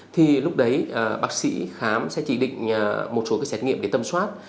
thì lúc đấy bác sĩ khám sẽ chỉ định một số các xét nghiệm để tầm soát